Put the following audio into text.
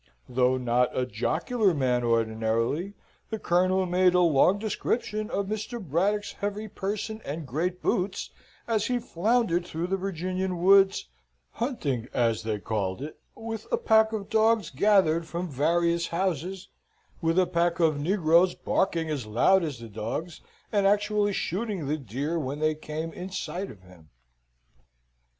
Though not a jocular man ordinarily, the Colonel made a long description of Mr. Braddock's heavy person and great boots, as he floundered through the Virginian woods, hunting, as they called it, with a pack of dogs gathered from various houses, with a pack of negroes barking as loud as the dogs, and actually shooting the deer when they came in sight of him.